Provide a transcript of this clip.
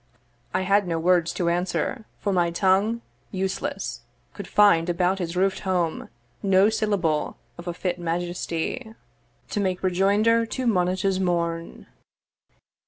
I had no words to answer, for my tongue, Useless, could find about its roofed home No syllable of a fit majesty To make rejoinder to Moneta's mourn.